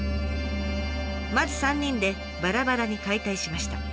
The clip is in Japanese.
まず３人でばらばらに解体しました。